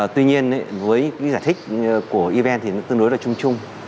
tuy nhiên với giải thích của evn thì nó tương đối là chung chung